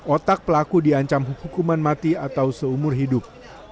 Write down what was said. otak pelaku diancam hukuman mati atau seumur hidup